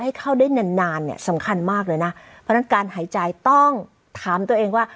ให้เข้าได้นานนานเนี่ยสำคัญมากเลยนะเพราะฉะนั้นการหายใจต้องถามตัวเองว่า